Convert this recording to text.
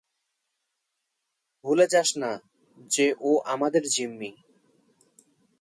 ভুলে যাস না যে ও আমাদের জিম্মি।